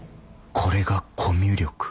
「これがコミュ力」